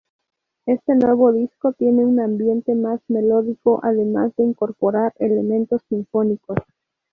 Este nuevo disco tiene un ambiente más melódico, además de incorporar elementos sinfónicos.